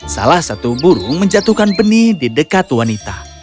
salah satu burung menjatuhkan benih di dekat wanita